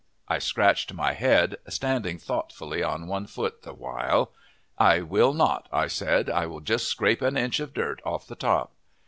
I scratched my head, standing thoughtfully on one foot the while. "I will not," I said. "I will just scrape an inch of dirt off the top!"